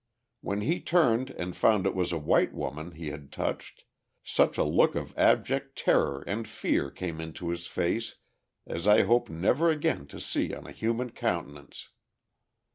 When he turned and found it was a white woman he had touched, such a look of abject terror and fear came into his face as I hope never again to see on a human countenance.